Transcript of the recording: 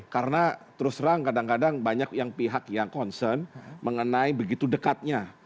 karena terus terang kadang kadang banyak yang pihak yang concern mengenai begitu dekatnya